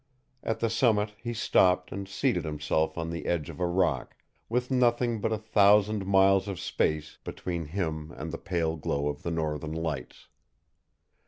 At the summit he stopped and seated himself on the edge of a rock, with nothing but a thousand miles of space between him and the pale glow of the northern lights.